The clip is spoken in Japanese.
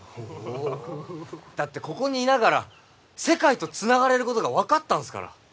おおだってここにいながら世界とつながれることが分かったんすから！